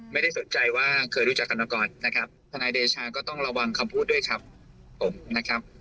ไม่ได้สนใจว่าเคยรู้จักกันมาก่อนนะครับทนายเดชาก็ต้องระวังคำพูดด้วยครับผมนะครับ